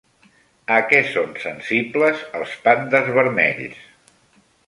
A què són sensibles els pandes vermells?